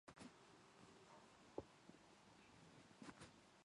おそらく、僕らとそう年齢の変わらない誰かが作った場所だった